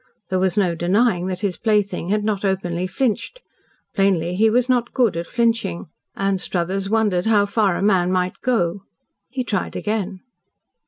There was no denying that his plaything had not openly flinched. Plainly he was not good at flinching. Anstruthers wondered how far a man might go. He tried again.